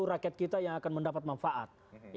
rakyat kita yang akan mendapat manfaat